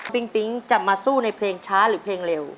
ปิ๊งจะมาสู้ในเพลงช้าหรือเพลงเร็ว